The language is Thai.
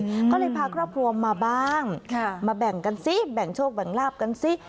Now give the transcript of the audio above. อืมก็เลยพาครอบครัวมาบ้างค่ะมาแบ่งกันซิแบ่งโชคแบ่งลาบกันซิ